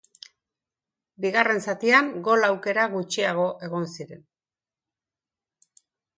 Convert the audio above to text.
Bigarren zatian gol aukera gutxiago egon ziren.